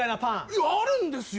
いやあるんですよ。